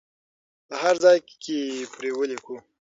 په هر ځای کې پرې ولیکو.